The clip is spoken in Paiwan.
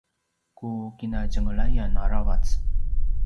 ku kinatjenglayan aravac